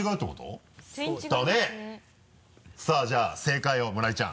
さぁじゃあ正解を村井ちゃん。